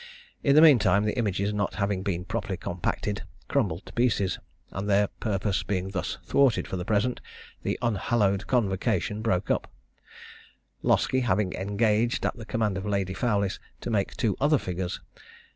In the mean time, the images not having been properly compacted, crumbled to pieces; and their purpose being thus thwarted for the present, the unhallowed convocation broke up, Loskie having engaged, at the command of Lady Fowlis, to make two other figures.